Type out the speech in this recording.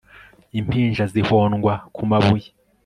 impinja zihondwa ku mabuye